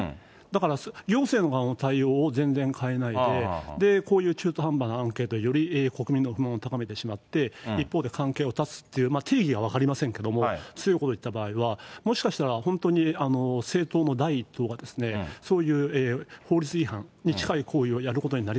だから、行政側の対応を全然変えないで、こういう中途半端なアンケートでより国民の不満を高めてしまって、一方で関係を断つっていう、定義が分かりませんけども、強いこと言った場合には、もしかしたら、本当に政党の第１党がそういう法律違反に近い行為をやることにな